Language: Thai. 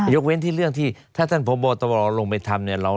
เว้นที่เรื่องที่ถ้าท่านพบตรลงไปทำเนี่ย